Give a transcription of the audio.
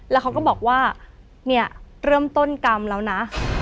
แล้วเขาก็บอกว่าเนี่ยเริ่มต้นกรรมแล้วนะ